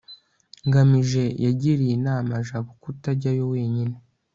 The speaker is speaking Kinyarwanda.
ngamije yagiriye inama jabo kutajyayo wenyine